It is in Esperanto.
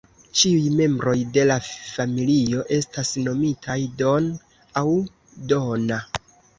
Ĉiuj membroj de la familio estas nomitaj "Don" aŭ "Donna".